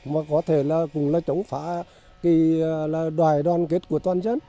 mà có thể là cùng là chống phá đoài đoàn kết của toàn dân